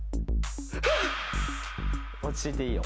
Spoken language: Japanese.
落ち着いていいよ。